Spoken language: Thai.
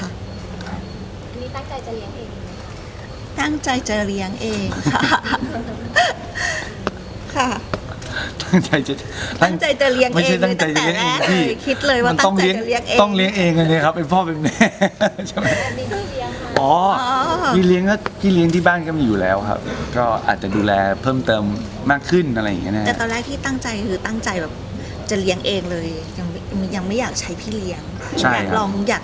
อันนี้ตั้งใจจะเลี้ยงเองไหมตั้งใจจะเลี้ยงเองค่ะค่ะตั้งใจจะตั้งใจจะเลี้ยงเองเลยตั้งแต่แล้วค่ะคิดเลยว่าตั้งใจจะเลี้ยงเองต้องเลี้ยงเองอันนี้ครับ